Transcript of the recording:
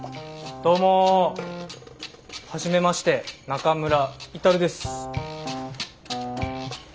どうもはじめまして中村達です。